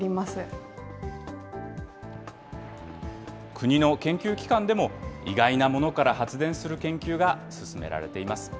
国の研究機関でも、意外なものから発電する研究が進められています。